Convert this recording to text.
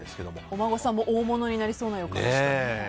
お孫さんも大物になりそうな予感がしますね。